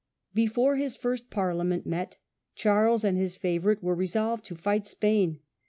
Before his first Parliament met, Charles and his favourite were resolved to fight Spain.